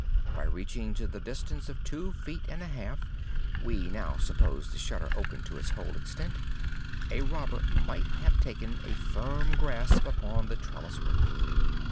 By reaching to the distance of two feet and a half (we now suppose the shutter open to its whole extent) a robber might have taken a firm grasp upon the trellis work.